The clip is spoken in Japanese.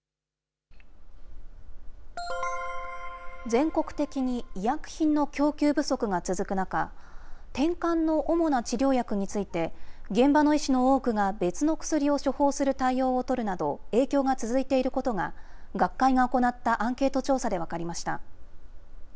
全国的に医薬品の供給不足が続く中、てんかんの主な治療薬について、現場の医師の多くが別の薬を処方する対応を取るなど、影響が続いていることが、学会が行ったアンケート調査で分かりました。